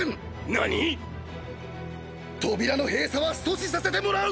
何⁉扉の閉鎖は阻止させてもらう！